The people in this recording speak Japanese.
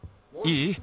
いい？